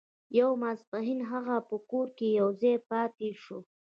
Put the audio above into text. يو ماسپښين هغه په کور کې يوازې پاتې شو.